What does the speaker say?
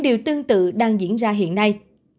điều tương tự đang diễn ra hiện nay